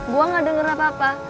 gue gak denger apa apa